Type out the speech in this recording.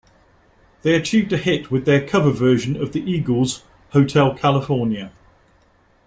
They achieved a hit with their cover version of The Eagles' "Hotel California".